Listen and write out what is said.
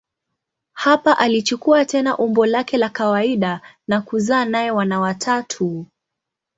Hapa alichukua tena umbo lake la kawaida na kuzaa naye wana watatu.